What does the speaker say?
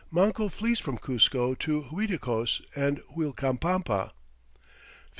Manco flees from Cuzco to Uiticos and Uilcapampa. 1542.